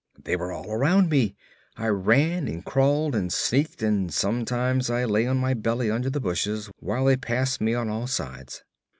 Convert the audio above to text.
They were all around me. I ran and crawled and sneaked, and sometimes I lay on my belly under the bushes while they passed me on all sides.